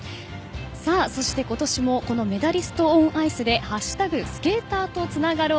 そして今年もこのメダリスト・オン・アイスで「＃スケーターとつながろう」